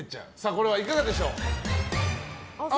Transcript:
これはいかがでしょう？